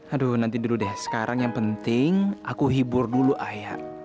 aduh nanti dulu deh sekarang yang penting aku hibur dulu ayah